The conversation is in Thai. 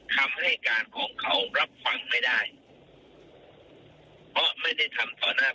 เพราะไม่ได้ทำต่อหน้าทนายความ